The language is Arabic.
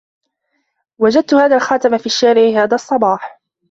وجدت هذا الخاتم في الشارع هذا الصباح